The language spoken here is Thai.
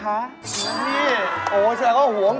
ถ้าเป็นปากถ้าเป็นปากถ้าเป็นปาก